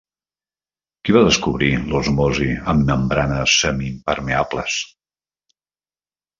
Qui va descobrir l'osmosi en membranes semipermeables?